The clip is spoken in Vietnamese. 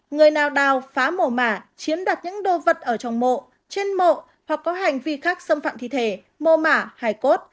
một người nào đào phá mô mả chiến đặt những đồ vật ở trong mộ trên mộ hoặc có hành vi khác xâm phạm thi thể mô mả hái cốt